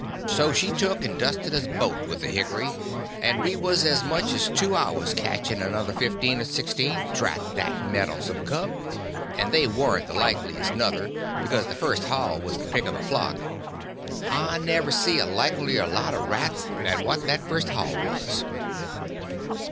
So she took and dusted us both with the hickry, and we was as much as two hours catching another fifteen or sixteen, drat that meddlesome cub, and they warn't the likeliest, nuther, because the first haul was the pick of the flock. I never see a likelier lot of rats than what that first haul was.